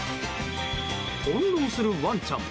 翻弄するワンちゃん。